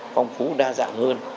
phong phú đa dạng hơn